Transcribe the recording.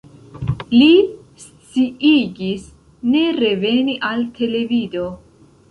Li sciigis ne reveni al televido.